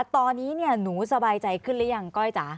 ตอนนี้หนูสบายใจขึ้นหรือยังก้อยจ๋า